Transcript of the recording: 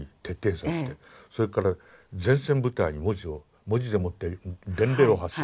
それから前線部隊に文字を文字でもって伝令を発する。